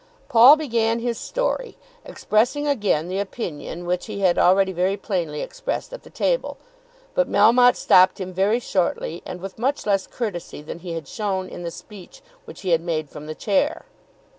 Paul began his story, expressing again the opinion which he had already very plainly expressed at the table. But Melmotte stopped him very shortly, and with much less courtesy than he had shown in the speech which he had made from the chair.